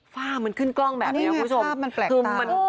ฝ้ามันขึ้นกล้องแบบนี้คุณผู้ชม